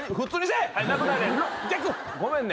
ごめんね。